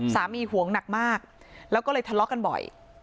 ห่วงหนักมากแล้วก็เลยทะเลาะกันบ่อย